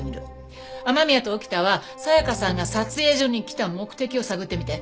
雨宮と沖田は紗香さんが撮影所に来た目的を探ってみて。